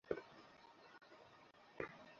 শান্ত হও, মেলিন্ডা।